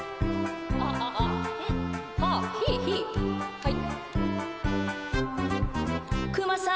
はい。